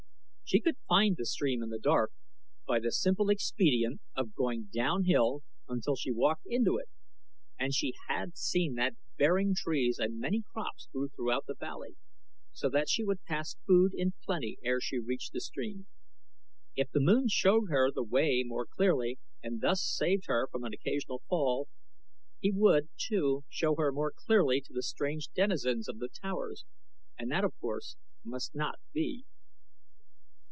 She could find the stream in the dark, by the simple expedient of going down hill until she walked into it and she had seen that bearing trees and many crops grew throughout the valley, so that she would pass food in plenty ere she reached the stream. If the moon showed her the way more clearly and thus saved her from an occasional fall, he would, too, show her more clearly to the strange denizens of the towers, and that, of course, must not be.